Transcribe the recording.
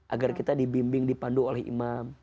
agar kita dibimbing dipandu oleh imam